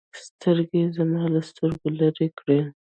سترګې يې زما له سترګو لرې كړې.